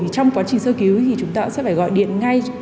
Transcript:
trong quá trình sơ cứu thì chúng ta sẽ phải gọi điện ngay